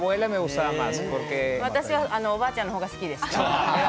私はおばあちゃんの方が好きでした。